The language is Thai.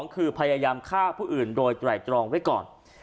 คือพยายามฆ่าผู้อื่นโดยไตรตรองไว้ก่อน